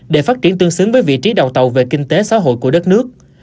để phát triển tương xứng với vị trí đầu tàu về kinh tế xã hội của đất nước